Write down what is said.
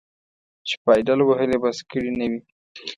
چې پایدل وهل یې بس کړي نه وي.